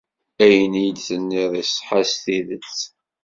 Ayen ay d-tennid iṣeḥḥa s tidet.